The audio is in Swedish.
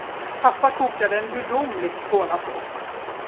Pappa kokade en gudomlig kolasås.